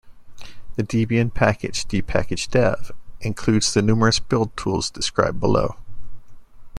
The Debian package "dpkg-dev" includes the numerous build tools described below.